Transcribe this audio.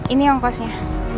ini yang kosnya